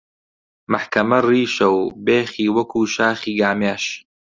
مەحکەمە ڕیشە و بێخی وەکوو شاخی گامێش